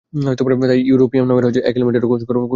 তাই ইউরোপিয়াম নামের এক এলিমেন্টেরও খোজ করা হয়।